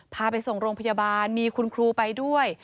พาไปส่งโรงพยาบาลมีคุณครูไปด้วย